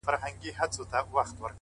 د ژوندون ساز كي ائينه جوړه كړي ـ